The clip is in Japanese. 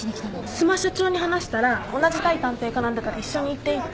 須磨社長に話したら同じ対探偵課なんだから一緒に行っていいって。